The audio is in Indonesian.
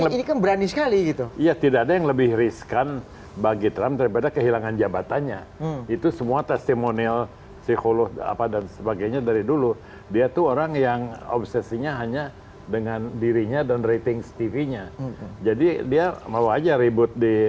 pemerintah iran berjanji akan membalas serangan amerika yang tersebut